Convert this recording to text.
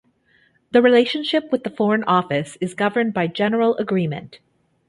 The relationship with the Foreign Office is governed by general agreement.